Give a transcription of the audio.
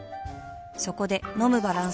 そこで飲むバランス栄養食